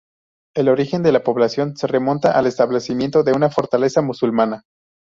El origen de la población se remonta al establecimiento de una fortaleza musulmana.